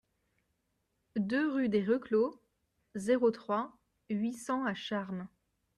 deux rue des Reclos, zéro trois, huit cents à Charmes